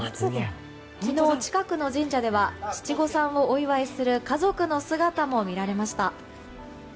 昨日、近くの神社では七五三をお祝いする家族の姿も見られました。